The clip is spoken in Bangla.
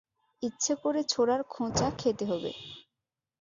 ইচ্ছে করে ছোড়ার খোঁচা খেতে হবে।